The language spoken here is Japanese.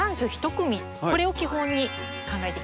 これを基本に考えていきたいと思います。